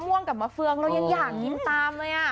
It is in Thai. ม่วงกับมะเฟืองเรายังอยากกินตามเลย